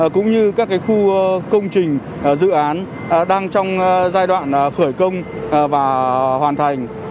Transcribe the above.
cũng như các khu công trình dự án đang trong giai đoạn khởi công và hoàn thành